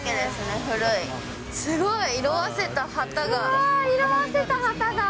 すごい、色あせた旗が。